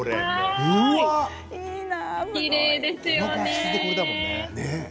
きれいですよね。